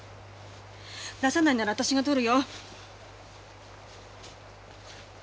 出さないんなら私が取るよ。